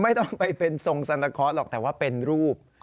ไม่ต้องไปเป็นทรงสันตะเคาะหรอกแต่ว่าเป็นรูป